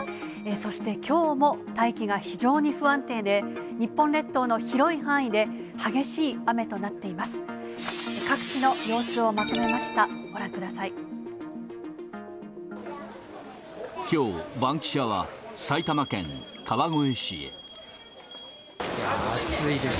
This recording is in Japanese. そしてきょうも大気が不安定で、日本列島の広い範囲で激しい雨となっています。